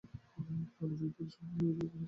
চলচ্চিত্রটিকে সমালোচকেরা ইতিবাচক হিসেবে গ্রহণ করে।